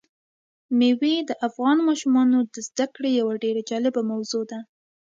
مېوې د افغان ماشومانو د زده کړې یوه ډېره جالبه موضوع ده.